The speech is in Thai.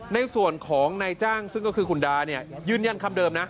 ในส่วนของนายจ้างซึ่งก็คือคุณดาเนี่ยยืนยันคำเดิมนะ